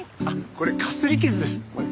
あっこれかすり傷です。